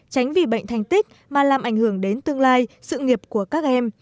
tránh vì bệnh thành tích mà làm ảnh hưởng đến tương lai sự nghiệp của các em